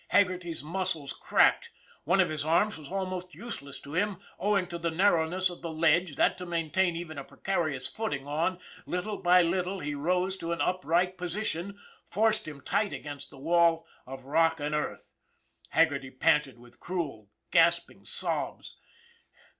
Haggerty's muscles cracked. One of his arms was almost useless to him owing to the narrowness of the ledge that, to maintain even a precarious footing as, little by little, he rose to an upright position, forced him tight against the wall of rock and earth. Haggerty panted with cruel, gasp ing sobs.